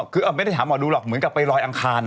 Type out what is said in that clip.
คือไม่ได้ถามหมอดูหรอกเหมือนกับไปลอยอังคาร